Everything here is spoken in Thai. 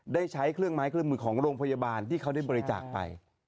ได้ใช้เครื่องไม้เครื่องมือของโรงพยาบาลที่เขาได้บริจาคไป